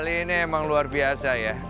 ini memang luar biasa ya